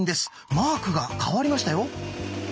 マークが変わりましたよ。